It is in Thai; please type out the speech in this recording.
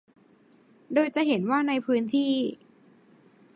โดยจะเห็นว่าในพื้นที่